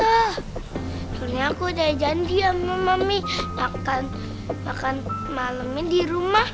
akhirnya aku udah janji sama mami akan malemin di rumah